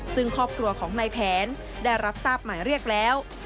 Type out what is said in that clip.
ซึ่งครอบครัวของนายแผนได้รับทราบหมายเรียกแล้ว